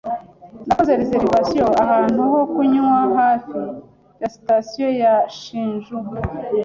Nakoze reservation ahantu ho kunywa hafi ya Sitasiyo ya Shinjuku.